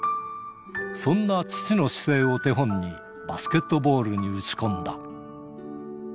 そんな父の姿勢を手本に、バスケットボールに打ち込んだ。